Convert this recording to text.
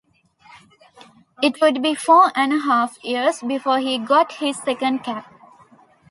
It would be four-and-a-half years before he got his second cap.